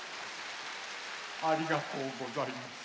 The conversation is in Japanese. ありがとうございます。